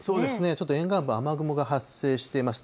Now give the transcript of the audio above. ちょっと沿岸部、雨雲が発生しています。